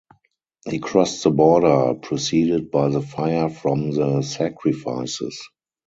He crossed the border preceded by the fire from the sacrifices.